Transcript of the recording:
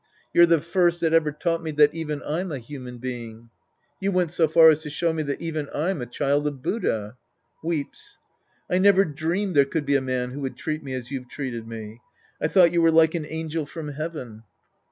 You're the first that ever taught me that even I'm a human being. You went so far as to show me that even I'm a child of Buddha. {Wee/>s.) I never dreamed there could be a man who would treat me as you've treated me. I thought you were like an angel from heaven.